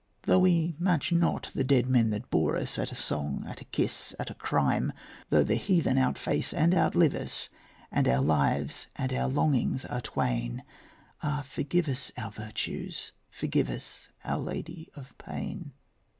Though we match not the dead men that bore us At a song, at a kiss, at a crime Though the heathen outface and outlive us, And our lives and our longings are twain Ah, forgive us our virtues, forgive us, Our Lady of Pain.